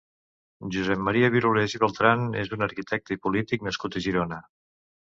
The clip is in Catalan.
Josep Maria Birulés i Bertran és un arquitecte i polític nascut a Girona.